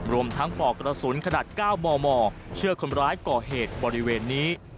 รวมทั้งปอกกระสุนขนาด๙มมเชื่อคนร้ายก่อเหตุบริเวณนี้